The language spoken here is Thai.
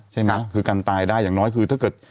ใช่ไหมคือการตายได้อย่างน้อยคือถ้าเกิด